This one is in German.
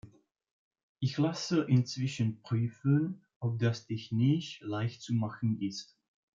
Ich lasse inzwischen prüfen, ob das technisch leicht zu machen ist.